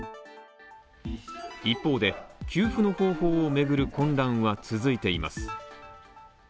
一方で、給付の方法をめぐる混乱は続いています。